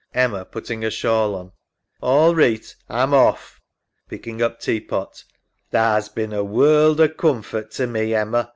EMMA (putting her shawl on). All reeght. A'm off. [Picking up tea pot. SARAH. Tha's bin a world o' coomfort to me, Emma.